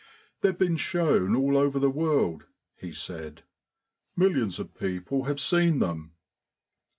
"They've been shown all over the world," he said. "Millions of people have seen them."